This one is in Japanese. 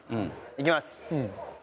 いきます。